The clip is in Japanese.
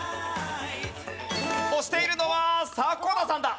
押しているのは迫田さんだ。